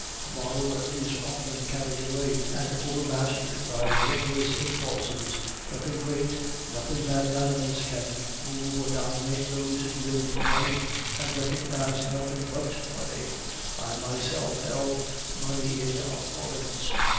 A borrower is often carried away and over mastered by generous impulses; nothing great, nothing magnanimous can move or dominate those who live for money, and recognize nothing but money. I myself held money in abhorrence.